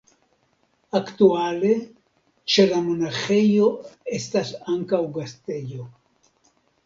Aktuale ĉe la monaĥejo estas ankaŭ gastejo.